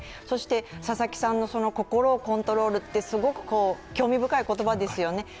そして、佐々木さんの心をコントロールって興味深い言葉ですよね。